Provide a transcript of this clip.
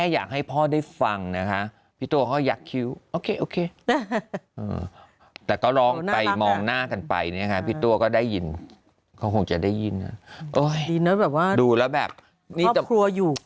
ใช่แล้วอยู่ก็แต่งของเขาขึ้นมา